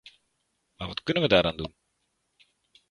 Maar wat kunnen we daar aan doen?